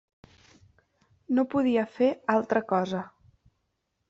No podia fer altra cosa.